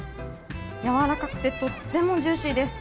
柔らかくて、とってもジューシーです。